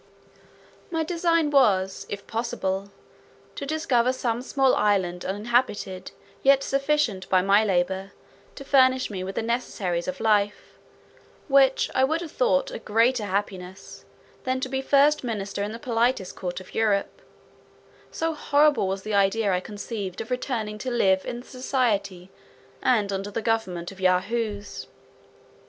My design was, if possible, to discover some small island uninhabited, yet sufficient, by my labour, to furnish me with the necessaries of life, which I would have thought a greater happiness, than to be first minister in the politest court of Europe; so horrible was the idea I conceived of returning to live in the society, and under the government of Yahoos.